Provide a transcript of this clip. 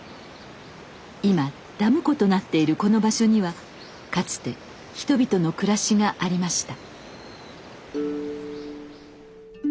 今ダム湖となっているこの場所にはかつて人々の暮らしがありました。